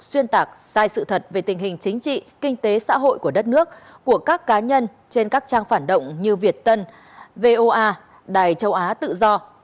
xuyên tạc sai sự thật về tình hình chính trị kinh tế xã hội của đất nước của các cá nhân trên các trang phản động như việt tân voa đài châu á tự do